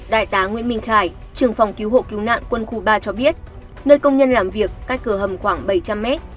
đại tá nguyễn minh khải trường phòng cứu hộ cứu nạn quân khu ba cho biết nơi công nhân làm việc cách cửa hầm khoảng bảy trăm linh mét